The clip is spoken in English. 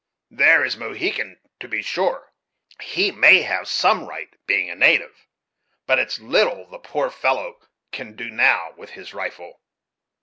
There is Mohegan, to be sure, he may have some right, being a native; but it's little the poor fellow can do now with his rifle.